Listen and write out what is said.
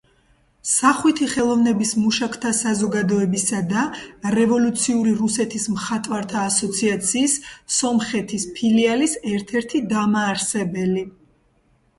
სახვითი ხელოვნების მუშაკთა საზოგადოებისა და რევოლუციური რუსეთის მხატვართა ასოციაციის სომხეთის ფილიალის ერთ-ერთი დამაარსებელი.